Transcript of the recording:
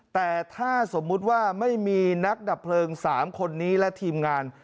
แต่ถ้าสมมุติว่าไม่มีนักดับเพลิง๓คนนี้และทีมงาน